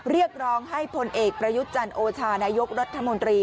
เรียกร้องให้พลเอกประยุทธ์จันโอชานายกรัฐมนตรี